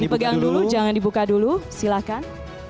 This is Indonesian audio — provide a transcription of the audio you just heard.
dipegang dulu jangan dibuka dulu silahkan